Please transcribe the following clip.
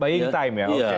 buying time ya